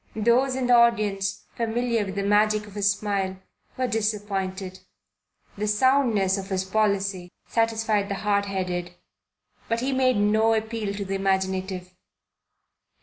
Those in the audience familiar with the magic of his smile were disappointed. The soundness of his policy satisfied the hard headed, but he made no appeal to the imaginative.